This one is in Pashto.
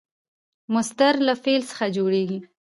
مصدر له فعل څخه جوړیږي.